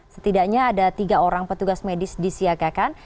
setidaknya ada tiga orang petugas medis disiagakan